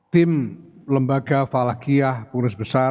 tim lembaga falahkiyah punggung rizk besar